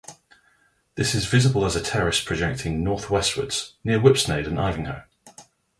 This is visible as a terrace projecting north-westwards, near Whipsnade and Ivinghoe.